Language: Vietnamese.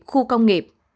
khu công nghiệp